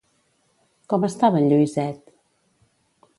Com estava en Lluïset?